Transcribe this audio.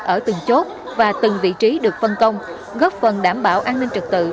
ở từng chốt và từng vị trí được phân công góp phần đảm bảo an ninh trật tự